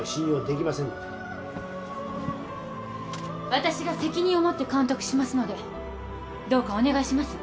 私が責任を持って監督しますのでどうかお願いします